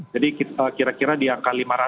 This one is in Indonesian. jadi kira kira di angka lima ratus